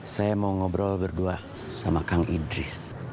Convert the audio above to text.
saya mau ngobrol berdua sama kang idris